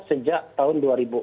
sejak tahun dua ribu empat belas